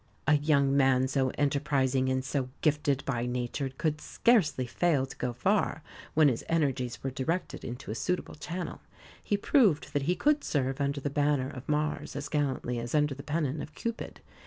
A young man so enterprising and so gifted by nature could scarcely fail to go far, when his energies were directed into a suitable channel. He proved that he could serve under the banner of Mars as gallantly as under the pennon of Cupid.